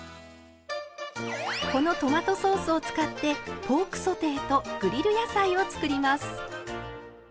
このトマトソースを使ってポークソテーとグリル野菜を作ります。